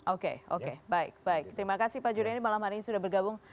oke baik terima kasih pak junaid malam hari ini sudah bergabung